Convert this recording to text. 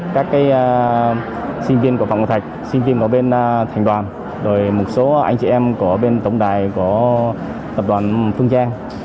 các sinh viên của phạm ngọc thạch sinh viên của bên thành đoàn rồi một số anh chị em của bên tổng đài của tập đoàn phương trang